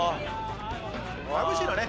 「まぶしいのね。